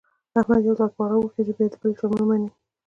احمد چې یو ځل په غره وخېژي، بیا د بل چا نه مني.